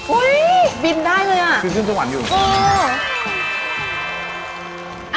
อุ๊ยบินได้เลยอ่ะคือที่ปิ้นจังหวันอยู่อ๋ออ่าอ่า